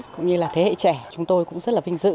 cũng như là thế hệ trẻ chúng tôi cũng rất là vinh dự